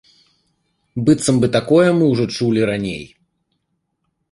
Быццам бы такое мы ўжо чулі раней.